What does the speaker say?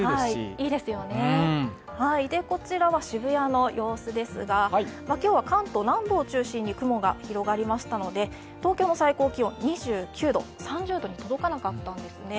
いいですよね、こちらは渋谷の様子ですが、今日は関東南部を中心に雲が広がりましたので、東京も最高気温が２９度、３０度に届かなかったんですね。